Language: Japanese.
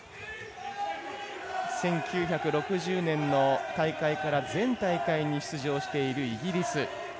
１９６０年の大会から全大会に出場しているイギリス。